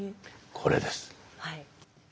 これです。